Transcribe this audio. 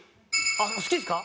あっ好きですか？